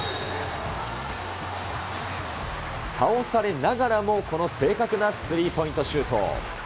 倒されながらも、この正確なスリーポイントシュート。